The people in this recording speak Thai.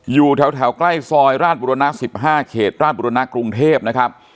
อยู่แถวใกล้ซอยราชบุรณะ๑๕เขตราชบุรณะกรุงเทพนะครับ